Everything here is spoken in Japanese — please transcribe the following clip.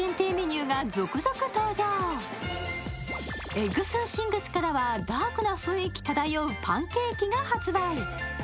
エッグスンシングスからはダークな雰囲気漂うパンケーキが発売。